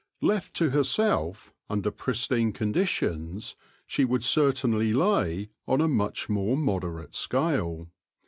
Left to herself, under pristine conditions, she would certainly lay on a much more moderate scale.